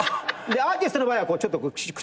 アーティストの場合は口をちょっとこう。